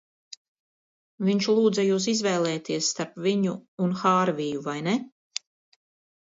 Viņš lūdza jūs izvēlēties starp viņu un Hārviju, vai ne?